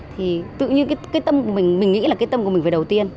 thì tự như cái tâm của mình mình nghĩ là cái tâm của mình phải đầu tiên